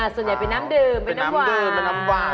ส่วนใหญ่เป็นน้ำเดิมเป็นน้ำหวาน